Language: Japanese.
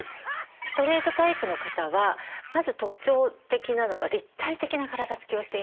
ストレートタイプの方はまず特徴的なのが立体的な体つきをしています。